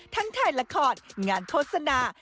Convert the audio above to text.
ถ่ายละครงานโฆษณา